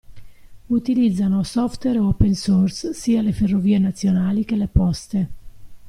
Utilizzano software open source sia le ferrovie nazionali che le poste.